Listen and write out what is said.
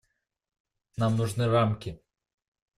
Нам нужны рамки.